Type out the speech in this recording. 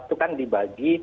itu kan dibagi